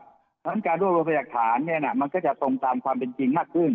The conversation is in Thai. เพราะฉะนั้นการรวบรวมพยากฐานมันก็จะตรงตามความเป็นจริงมากขึ้น